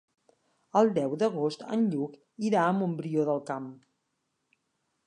El deu d'agost en Lluc irà a Montbrió del Camp.